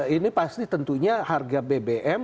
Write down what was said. ini pasti tentunya harga bbm